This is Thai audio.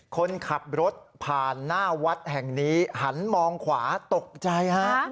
คนขับรถผ่านหน้าวัดแห่งนี้หันมองขวาตกใจฮะ